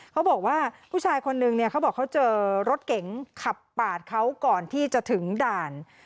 เขาบอกว่าผู้ชายคนนึงเนี่ยเขาบอกเขาเจอรถเก๋งขับปาดเขาก่อนที่จะถึงด่าน